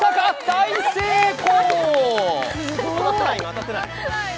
大成功！